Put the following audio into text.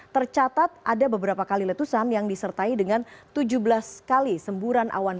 tercatat ada beberapa kali letusan yang disertai dengan tujuh belas kali semburan awan